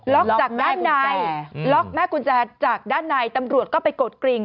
จากด้านในล็อกแม่กุญแจจากด้านในตำรวจก็ไปกดกริ่ง